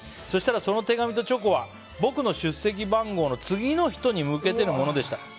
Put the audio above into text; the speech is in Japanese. そしたらその手紙とチョコは僕の出席番号の次の人に向けてのものでした。